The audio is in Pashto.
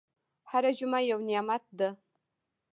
هره جمعه یو نعمت ده.